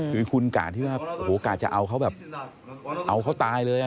คือคุณกะที่ว่าโอ้โหกะจะเอาเขาแบบเอาเขาตายเลย